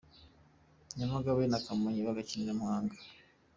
Nyamagabe na Kamonyi bagakinira i Muhanga.